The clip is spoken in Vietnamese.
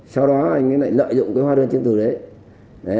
sau đó anh lại lợi dụng cái hoa đơn trên từ đấy